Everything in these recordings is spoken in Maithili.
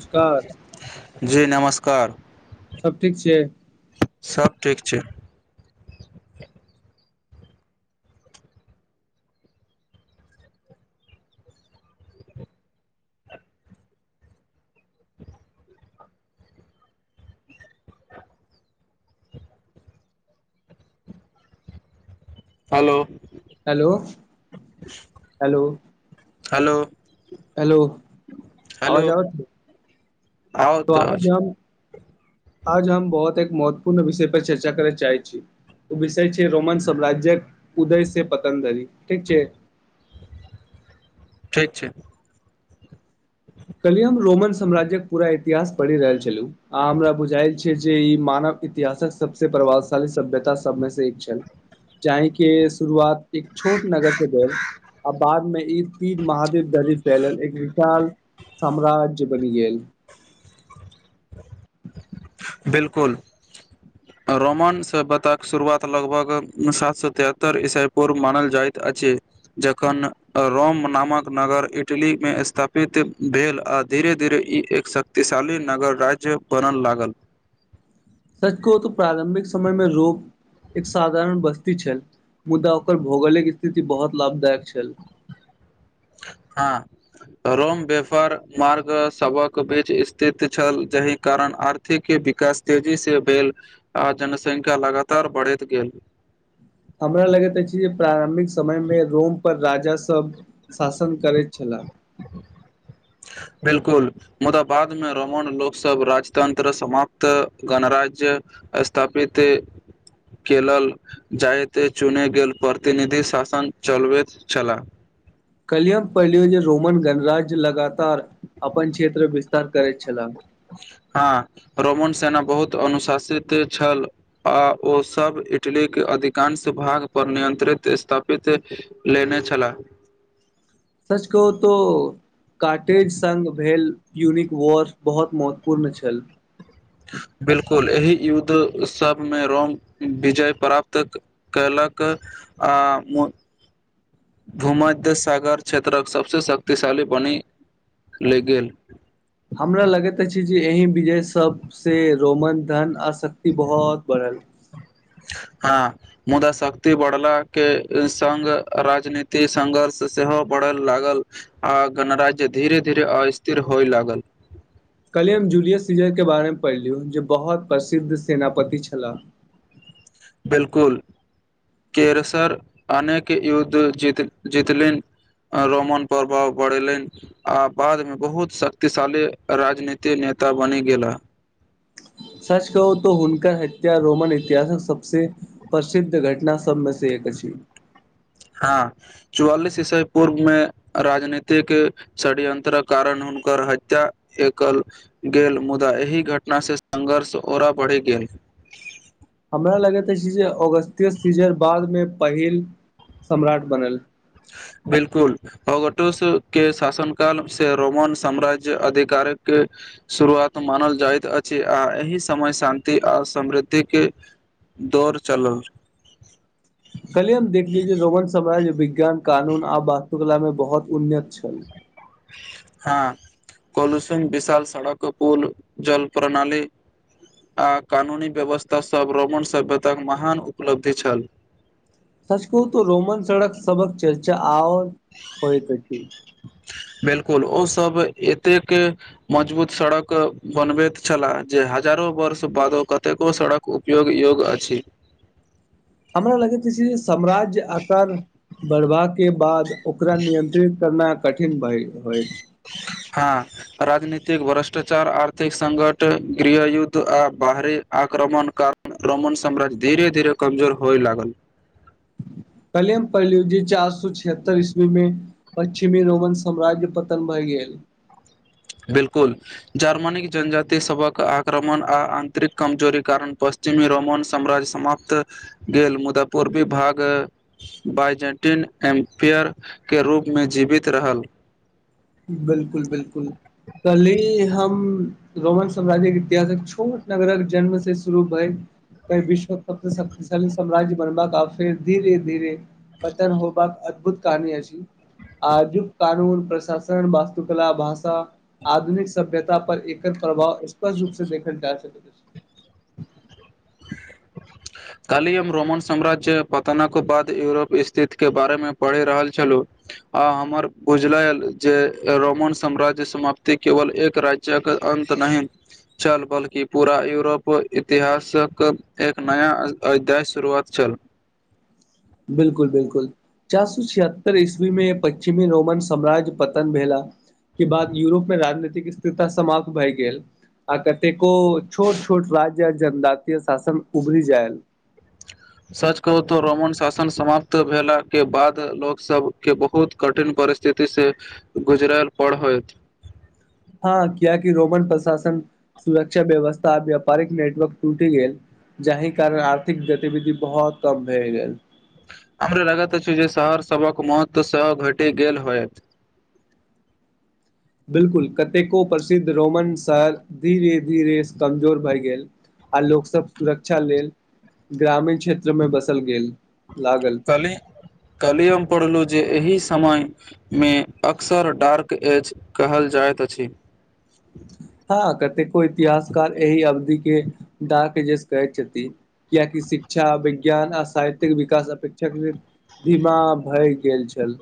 नमस्कार जी नमस्कार सब ठीक छियै सब ठीक छै hello hello hello hello hello hello आवाज आवै है आउ त आज तऽ हम आज हम बहुत एक महत्वपूर्ण विषय पर चर्चा करै चाहै छी विषय छै रोमन साम्राज्यक उदय से पतंजली ठीक छै ठिक छै ह कलि हम रोमन साम्राज्यक पूरा इतिहास पढ़ि रहल छलु आ हमरा बुझायल छै जे ई मानव इतिहासक सबसे प्रभावशाली सभ्यता सब में से एक छै चाय के शुरुआत एक छोट नगर से भेल आ बाद मे ई तीर महादेव गदी फैलल एक विशाल सम्राज्य बनि गेल बिल्कुल रोमन सभ्यताक शुरुआत लगभग सात सौ तिहत्तर ईसा पूर्व मानल जाइत अछि जखन रोम नामक नगर इटली में स्थापित भेल आ धीरे धीरे ई एक शक्तिशाली नगर राज्य बनल लागल सच कहुं त प्रारम्भिक समय मे रोग एक साधारण बस्ती छल मुदा ओकर भौगोलिक स्थिति बहुत लाभदायक छल हा रोम वेफर मार्ग सभक बीच स्थित छल जहि कारण आर के विकास तेजी से भेल आ जनसंख्या लगातार बढ़ैत गेल हमरा लगैत अछि जे प्रारम्भिक समय मे रोम पर राजा सब शासन करैत छलह बिल्कुल मुदा बाद में रोहन लोक सभ राजतंत्र समाप्त गणराज्य स्थापित केलल जायते चुने गेल प्रतिनिधि शासन चलबैत छलाह कलियम पहले जे रोमन गणराज्य लगातार अपन क्षेत्र विस्तार करैत छलाह हाँ रोमन सेना बहुत अनुशासित छल आ ओ सब इटली के अधिकांश भाग पर नियंत्रित स्थापित लेने छलेह सच कहु तो कार्टेज संग भेल यूनिक वॉर बहुत महत्वपूर्ण छल बिल्कुल एहि युद्ध सब में रोम विजय प्राप्त कयलक आ मु भूमध्य सागर क्षेत्रक सबसे शक्तिशाली बनी ले गेल हमरा लगैत अछि जे एहि विजय सब से रोमन धन आ शक्ति बहोत बढ़ल हा मुदा शक्ति बढ़ला के संग राजनीतिक संघर्ष सेहो बढ़ल लागल आ गणराज्य धीरे धीरे अस्थिर होइ लागल कल्हि हम जूलियस सीजरके बारेमे पढ़लियु जे बहुत प्रसिद्ध सेनापति छलाह बिल्कुल केयसर अनेक युद्ध जीत जितलेन रोमन प्रभाव बडे लेन आ बाद में बहुत शक्तिशाली राजनीतिक नेता बनि गेला सच कहु त हुनकर हत्या रोमन इतिहासक सबसे प्रसिद्ध घटना सब में से एक छी हँ चौआलिस ईसवी पूर्व मे राजनीतिक षडयंत्रक कारण हुनकर हत्या एकल गेल मुदा एहि घटना सँ संघर्ष ओरा बढ़ि गेल हमरा लगैत अछि जे अगस्त्य सीजन बाद में पहिल सम्राट बनल बिल्कुल अगटोस के शासन काल से रोमन साम्राज्य अधिकारिक के शुरुआत मानल जाइत अछि आ एहि समय शान्ति आ समृद्धि के दौड़ चलल कलिय हम देख लीज रोमन साम्राज्य विज्ञान कानून आ वास्तुकला में बहुत उन्नत छल हँ कोलूशन विशाल सड़क पुल जल प्रणाली आ कानूनी व्यवस्था सभ रोमन सभ्यताक महान उपलब्धि छल सच कहू तऽ रोमन सड़क सबक चर्चा और होइत छै बिल्कुल ओ सब एतेक मजबूत सड़क बनबैत छलाह जे हजारो वर्ष बादो कते को सड़क क उपयोग योग अछि हमरा लगैत अछि जे साम्राज्य आकार बढ़बा के बाद ओकरा नियंत्रित करना कठिन भय होयत हँ राजनीतिक भ्रष्टाचार आर्थिक संकट गृहयुद्ध आ बाहरी आक्रमण कारण रोमन साम्राज्य धीे धीरे कमजोर होय लागल कल्हि हम पढ़लियौ जे चार सौ छिहत्तर ईसवी में पश्चिमी रोमन साम्राज्य पतन भै गेल बिलकुल जर्मनीक जनजाति सभक आक्रमण आ आंतरिक कमजोरी कारण पस्त जे में रोमन साम्राज्य समाप्त भेल मुदा पूर्वी भाग वाइजेन्टीन एम्पेयर के रूप में जीवित रहल बिल्कुल बिल्कुल पहले हम रोमन साम्राज्य इतिहासक छोट नगरक जन्म से शुरू भेल क विश्व सबसँ शक्तिशाली साम्राज्य बनबाक फेर धीरे धीरे पतन होयबाक अद्भुत कारण अछि आजुक कानून प्रशासन तखन वास्तुकला भाषा आधुनिक सभ्यता पर एकर प्रभाव स्पष्ट रूप से देखल जा सकैत अछि [unintelligible] काल्हि हम रोमन साम्राज्य पतनक बाद यूरोप स्थिति के बारेमे पढ़ि रहल छलहुँ आ हमर बुझलेल जे रोमन साम्राज्य समाप्ति केवल एक राज्य एकर अन्त नहि छल बल्कि पूरा यूरोप इतिहासक एक नया अध्याय शुरुआत छल बिल्कुल बिल्कुल चार सो छिहत्तर ईस्वी में पश्चिमी रोमन साम्राज्य पतन भेला के बाद यूरोप मे राजनीतिक स्थिरता समाप्त भए गेल आ कतेको छोट छोट राज्य आ जनजातीय शासन उभरि जायल सच कहू तो रोमन शासन समाप्त भेला के बाद लोकसब के बहुत कठिन परि जेतै से गुजरल पढ़ हो हँ कियाकि रोमन प्रशासन सुरक्षा व्यवस्था आ व्यापारिक नेटवर्क टूटी गेल जाहि कारण आर्थिक गति विधि बहुत कम भए गेल हमरा लागत अछि छी जे शहर सबक महत्व सँ घटि गेल होय बिल्कुल कतेको प्रसिद्ध रोमन शर धीरे धीरे कमजोर भए गेल आ लोक सभ सुरक्षा लेल ग्रामीण क्षेत्र में बसल गेल लागल कल्हि कल्हि हम हम पढ़लहु जे एहि समय मे अक्सर डार्क एज कहल जाइत अछि हँ कतेको इतिहास काल एहि अवधि के डाक जे कहै कियाकि शिक्षा विज्ञान आ साहित्यिक विकास अपेक्षा धीमा भय गेल छल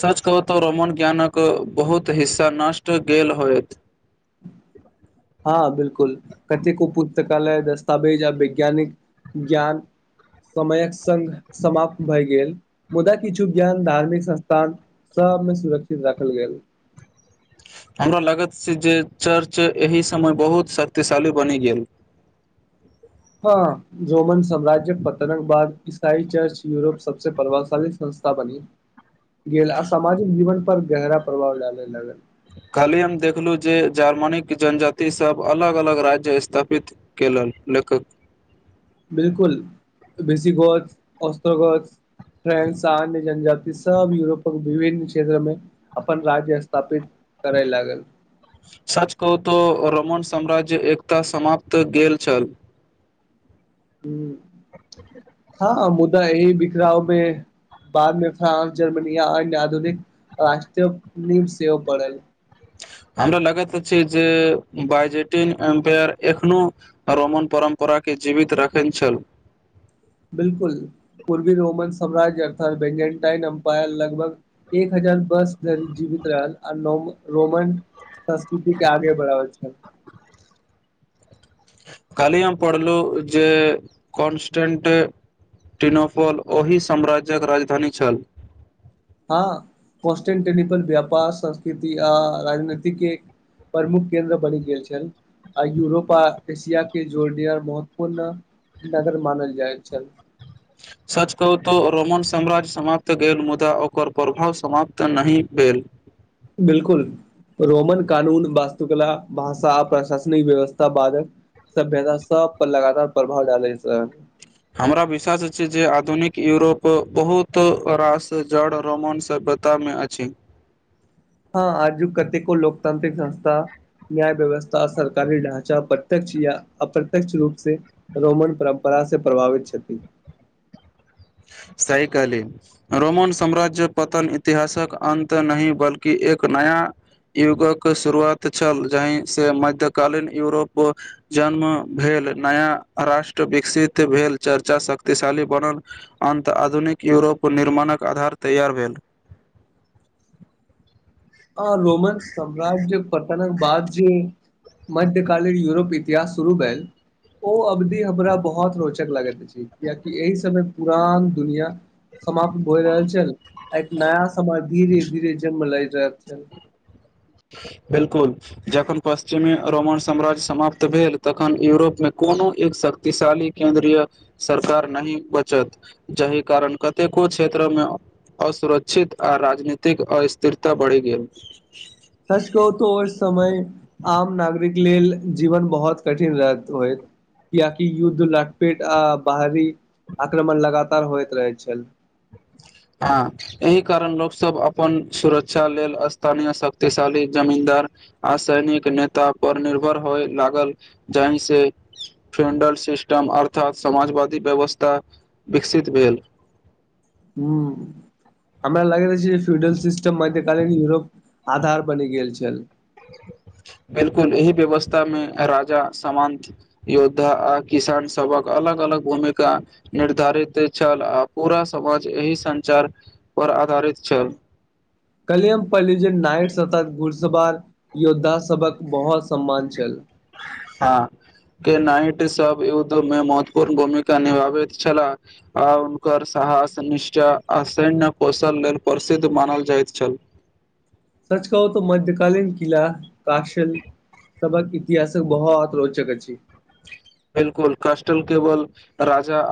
सच कहूं त रोमन ज्ञानक बहुत हिस्सा नष्ट गेल होयत [inaudible] हँ बिल्कुल कतेको पुस्तकालय दस्तवेज आ वैज्ञानिक ज्ञान समयक स समाप्त भए गेल मुदा किछु ज्ञान धार्मिक संस्थान सब मे सुरक्षित राखल गेल हमरो लागत स जे चर्च एहि समय बहुत शक्तिशाली बनि गेल हँ रोमन साम्राज्य पतनक बाद ईसाई चर्च यूरोप सबसे प्रभावशाली संस्था बनी ह [inaudible] गेल आ सामाजिक जीवन पर गहरा प्रभाव डाले लागल कलही हम देखलू जे जर्मनीक जनजातिसभ अलग अलग राज्य स्थापित केे लल लेखक बिलकुल बेसी गछ अस्त्र गछ फ्रेंस अन्य जनजाति सब युरोपक विभिन्न क्षेत्र मे अपन राज्य स्थापित करै लागल सच कहूतो रोमन साम्राज्य एकता समाप्त गेल छल हूं हँ मुदा यही बिखराव में बाद में फ्रांस जर्मनी आ अन्य आधुनिक राष्ट्र नींव सेहो बढ़ल हमरो लगैत छै जे बइजेटिन एम्पायर एखनो रैमण परम्परा के जीवित राखै छल बिलकुल पूर्वी रोमन साम्राज्य अर्थात बेलेनटाइन अम्पायर लगभग एक हजार बस धरि जीवित रहल आ रोमन संस्कृति के आगे बढढाबै छै कालही हम पढ़लहु जे कॉन्स्टेंट टिनोफॉल ओहि साम्राज्य्यक राजधानी छल हँ कन्टेंटेल व्यापार संस्कृति आ राजनतिक एक प्रमुख केन्द्र बनि गेल छल आ यूरोप आ एशिया के जोरडियर महत्वपूर्ण नगर मानल जाय छल सच कुहुँ तो रोमन साम्राज्य समाप्त भेल मुदा ओकर प्रभाव समाप्त नहि भेल बिल्कुल रोमन कानून वास्तुकला भाषा प्रशासनिक व्यवस्था बादक सभ्यता सब पर लगातार प्रभाव डालल छै हमरा विश्वास छै जे आधुनिक यूरोप बहुत रास जड़ रोमन सब ता मे अछि हँ आजु कतेको लोकतांत्रिक संस्था न्याय व्यवस्था सरकारी ढ़ाचा प्रत्यक्ष या अप्रत्य्यक्ष रूप से रोमन परम्परा से प्रभावित छथिन सही कहली रोमन साम्राज्य पतन इतिहासक अन्त नहि बल्कि एक नया युगक शुरुआत छल जहि से मध्य कालीन यूरोप जन्म भेल नया राष्ट्र विकसित भेल चर्चा शक्तिशाली बनल अन्त आधुनिक यूरोप निर्माणक आधार तैयार भेल आ रोमन साम्रााज्य पतनक बाद जे मध्य कालीन यूरोप इतिहास शुरू भेल ओ अवधि हमरा बहुत रोचक लागैत अछि कियाकि एहि समय पुरान दुनिया समाप्त भइ रहल छल आ नया समाज धीरे धीर जनम लै रहल छै बिलकुल जखन पश्चिमी रोमन साम्राज्य समाप्त भेल तखन यूरोप में कोनो एक शक्ति शक्तिशाली केंन्द्रीय सरकार नहि बचत जाहि कारण कतेको क्षेत्रमे असुरक्षित आ राजनीतिक अस्थिरता बढ़ि गेल सच कहू त ओ समय आम नागरिक लेल जीवन बहुत कठिन रहत होइत कियाकि युद्ध लटपेट आ बाहरी आक्रमण लगातार होइत रहैत छल। हँ एहि कारण लोक सब अपन सुरक्षा लेल स्थानीय शक्तिशाली जमींदार आ सैनिक नेता पर निर्भर होय लागल जाहि से फ्रेंडल सिस्टम अर्थात समाजवादी व्यवस्था विकसित भेल। हूं हमरा लागैत रहत अछि जे फ्यूडरल सिस्टम मध्य कालीन यूरोप आधार बनी गेल छेल। बिलकुल एहि व्यवस्था मे राजा समांत योद्धा आ किसान सबहक अलग अलग भूमिका निर्धारित अछि आ पूरा समाज एहि संचार पर आधारित छल। कलियम पलज नाइट सतत घुड़सवार योद्धा सभक बहुत सम्मान छल। हँ के नाइट सब युद्ध मे महत्वपूर्ण भूमिका निभाबैत छलाह। आ हुनकर साहस निष्ठय आ सैन्य कौशल लेल प्रसिद्ध मानल जाइत छल। सच कहु त मध्य कालीन कीला काशिल सवहक इतिहास बहुत रोचक अछि। बिलकुल कस्टल केवल राजा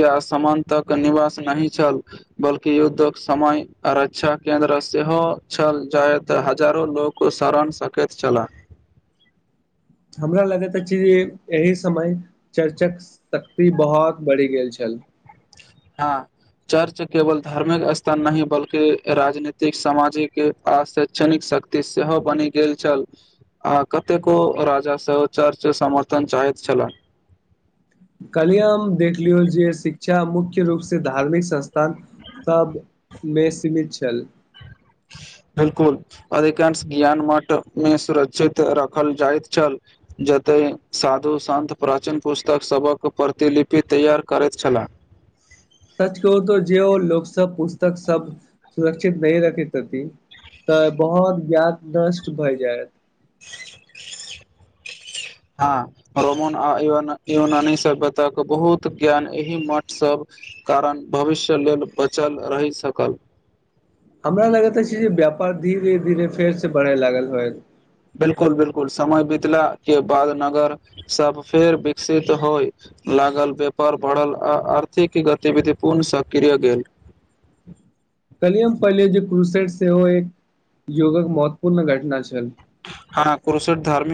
या समानतक निवास नहि छल बल्कि युद्धक समय आ रक्षा केन्द्र सेहो छल जायत हजारो लोक कुशारण सकेैत छला। हमरा लगैत अछि जे एहि समय चर्चक शक्ति बहुत बढ़ि गेल छल। हँ चर्च केवल धार्मिक स्थान नहि बल्कि राजनीतिक सामाजिक आ शैक्षणिक शक्त सेहो बनि गेल छल। आ कतेको राजा सेहो चर्च समर्थन चाहैत छला। काल्हि हम देख लियौ जे शिक्षा मुख्य रूपसँ धार्मिक संस्थान सबमे सीमित छल। बिल्कुल अधिकांश ज्ञान मठ मे सुरक्षित रखल जाइत छल। जतय साधु सन्त प्राचीन पुस्तकसभक प्रतिलिपि तैयार करैत छला। सच कहु त जे हो लोक सब पुस्तक सब सुरक्षित नहि रखी तती तऽ बहुत ज्ञात नष्ट भय जायत। हँ रोमन आ युनानी सभयातक बहुत ज्ञान एहि मठ सब कारण भविष्य लेल बचल रहि सकल। हमरा लगैत अछि जे व्यापार धीरे धीरे धीरे फेर से बढ़य लागल होय। बिल्कुल बिल्कुल समय बितला के बाद नगर सब फेर विकसित होइ लागल व्यापार बढ़ल आ आर्थिक गतिविधि पुर्ण सक्रिय गेल। कहलिय हम पहिले जे क्रूसेट सेहो एक योगक महत्वपूर्ण घटना छल। हँ कुुरूसूट धार्मिक